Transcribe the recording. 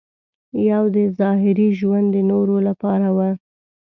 یو دې ظاهري ژوند د نورو لپاره و.